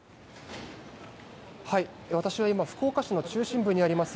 私は今福岡市の中心部にあります